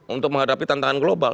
untuk menghadapi tantangan global